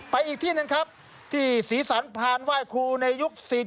ไปอีกที่นึงครับที่ศรีสรรพราณไหว้ครูในยุค๔๐